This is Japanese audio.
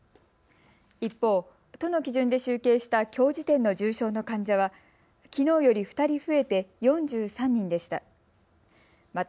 一方、都の基準で集計したきょう時点の重症の患者はきのうより２人増えて４３人でした。